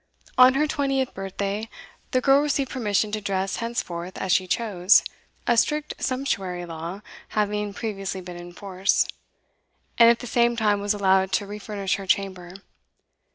On her twentieth birthday, the girl received permission to dress henceforth as she chose (a strict sumptuary law having previously been in force), and at the same time was allowed to refurnish her chamber.